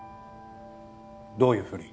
どういうふうに？